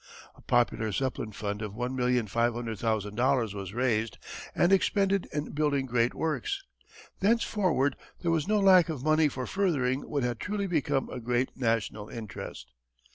A popular Zeppelin fund of $1,500,000 was raised and expended in building great works. Thenceforward there was no lack of money for furthering what had truly become a great national interest.